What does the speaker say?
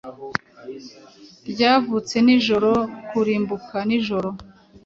Ryavutse nijoro kurimbuka nijoro